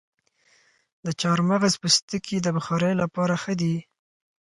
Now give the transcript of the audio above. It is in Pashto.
د چارمغز پوستکي د بخارۍ لپاره ښه دي؟